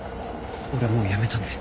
俺もうやめたんで。